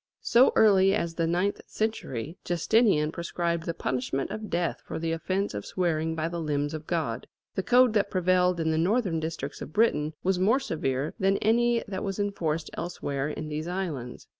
So early as the ninth century, Justinian prescribed the punishment of death for the offence of swearing by the limbs of God. The code that prevailed in the northern districts of Britain was more severe than any that was enforced elsewhere in these islands.